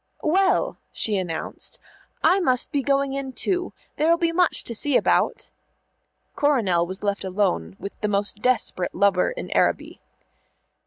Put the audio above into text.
"Well," she announced, "I must be going in, too. There'll be much to see about." Coronel was left alone with the most desperate lover in Araby.